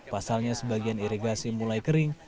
pasalnya sebagian irigasi mulai kering